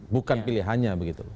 bukan pilihannya begitu